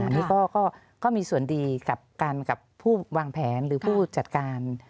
นี่ก็มีส่วนดีกับผู้วางแผนหรือผู้จัดการ